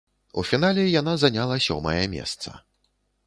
У фінале яна заняла сёмае месца.